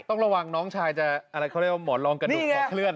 ต้องระวังน้องชายจะอะไรเขาเรียกว่าหมอนรองกระดูกคอเคลื่อ